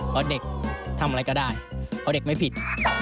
เพราะเด็กทำอะไรก็ได้เพราะเด็กไม่ผิด